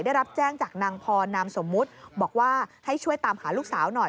ได้รับแจ้งจากนางพรนามสมมุติบอกว่าให้ช่วยตามหาลูกสาวหน่อย